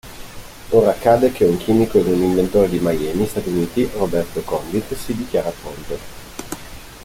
Ora accade che un chimico ed un inventore di Miami (Stati Uniti), Roberto Condit, si dichiara pronto…